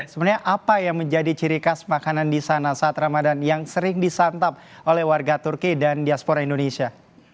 sebenarnya apa yang menjadi ciri khas makanan di sana saat ramadan yang sering disantap oleh warga turki dan diaspora indonesia